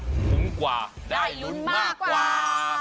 สูงกว่าได้ลุ้นมากกว่า